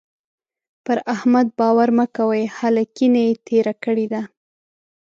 پر احمد باور مه کوئ؛ هلکينه يې تېره کړې ده.